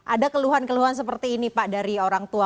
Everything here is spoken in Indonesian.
ada keluhan keluhan seperti ini pak dari orang tua